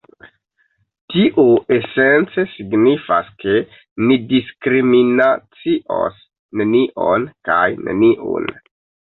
Tio esence signifas, ke ni diskriminacios nenion kaj neniun.